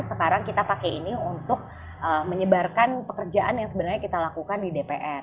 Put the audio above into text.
sekarang kita pakai ini untuk menyebarkan pekerjaan yang sebenarnya kita lakukan di dpr